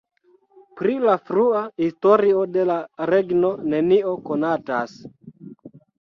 Pri la frua historio de la regno nenio konatas.